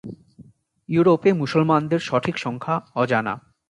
ইউরোপে মুসলমানদের সঠিক সংখ্যা অজানা।